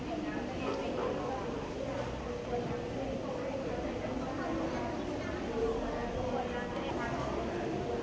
เอาล่ะคุยด้วยของเรานะกลับไปที่นี่